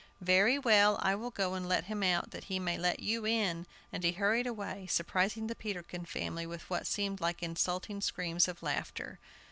Very well, I will go and let him out, that he may let you in!" and he hurried away, surprising the Peterkin family with what seemed like insulting screams of laughter.